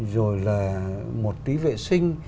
rồi là một tí vệ sinh